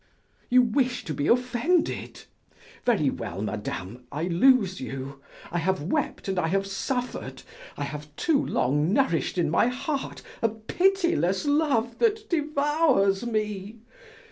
You wish to be offended. Very well, madame, I lose you! I have wept and I have suffered, I have too long nourished in my heart a pitiless love that devours me.